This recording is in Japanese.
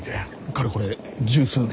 かれこれ十数年。